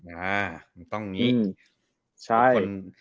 อ่าต้องนี้